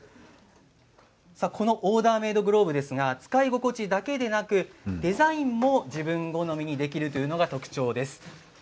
オーダーメードグローブ使い心地だけでなくデザインも自分好みにできるのが特徴です。